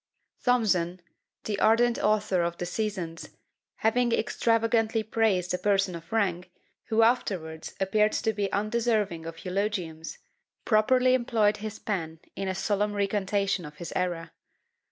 Thomson, the ardent author of the Seasons, having extravagantly praised a person of rank, who afterwards appeared to be undeserving of eulogiums, properly employed his pen in a solemn recantation of his error.